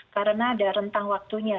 karena ada rentang waktunya